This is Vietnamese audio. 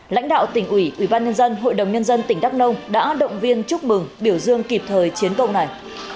lãnh đạo tỉnh ủy ủy ban nhân dân hội đồng nhân dân tỉnh đắk nông đã động viên chúc mừng biểu dương kịp thời chiến công này